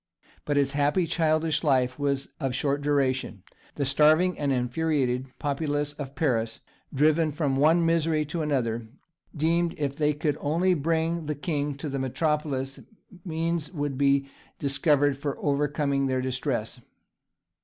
But his happy childish life was of short duration: the starving and infuriated populace of Paris, driven from one misery to another, deemed if they could only bring the king to the metropolis means would be discovered for overcoming their distress.